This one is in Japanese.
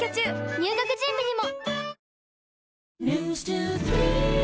入学準備にも！